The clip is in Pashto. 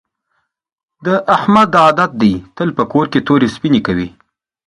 د احمد عادت دې تل په کور کې تورې سپینې کوي.